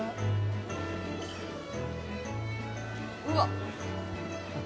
うわっ！